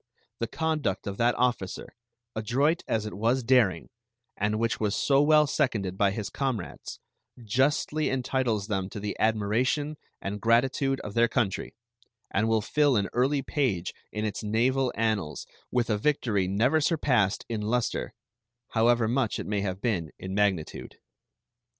The conduct of that officer, adroit as it was daring, and which was so well seconded by his comrades, justly entitles them to the admiration and gratitude of their country, and will fill an early page in its naval annals with a victory never surpassed in luster, however much it may have been in magnitude.